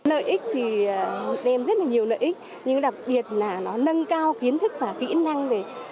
lợi ích thì đem rất là nhiều lợi ích nhưng đặc biệt là nó nâng cao kiến thức và kỹ năng